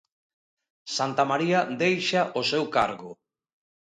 Santamaría deixa o seu cargo.